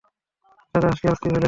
রাজা হাসিয়া অস্থির হইলেন।